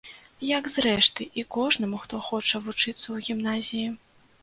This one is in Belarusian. Як, зрэшты, і кожнаму, хто хоча вучыцца ў гімназіі.